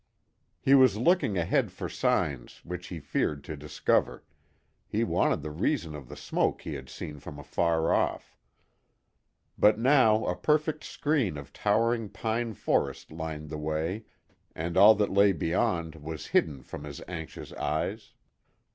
He was looking ahead for signs which he feared to discover; he wanted the reason of the smoke he had seen from afar off. But now a perfect screen of towering pine forest lined the way, and all that lay beyond was hidden from his anxious eyes.